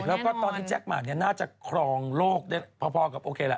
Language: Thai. แล้วก็ตอนที่แจ๊คมานน่าจะครองโลกได้พอกับโอเคแหละ